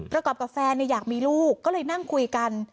แล้วกับกับแฟนเนี่ยอยากมีลูกก็เลยนั่งคุยกัน